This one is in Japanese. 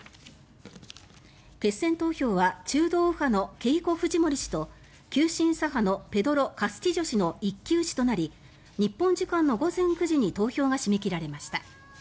決選投票は中道右派のケイコ・フジモリ氏と急進左派のペドロ・カスティジョ氏の一騎打ちとなり日本時間の午前９時に投票が締め切られました。